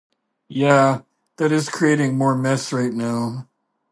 Ya. That is creating more mess right now.